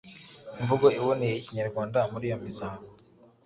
imvugo iboneye y’Ikinyawarwanda muri iyo misango.